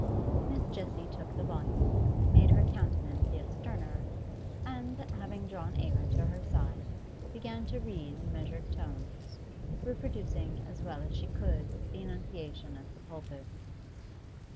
Miss Jessie took the volume, made her countenance yet sterner, and, having drawn Eva to her side, began to read in measured tones, reproducing as well as she could the enunciation of the pulpit.